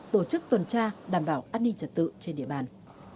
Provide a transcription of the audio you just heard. tổ chức tuần tra đảm bảo an ninh trật tự trên địa bàn